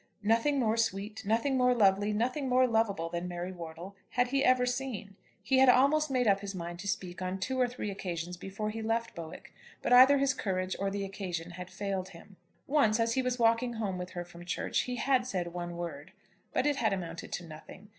Nothing more sweet, nothing more lovely, nothing more lovable than Mary Wortle had he ever seen. He had almost made up his mind to speak on two or three occasions before he left Bowick; but either his courage or the occasion had failed him. Once, as he was walking home with her from church, he had said one word; but it had amounted to nothing.